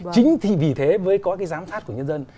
chính thì vì thế mới có cái giám sát của nhân dân